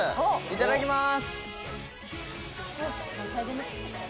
いただきます。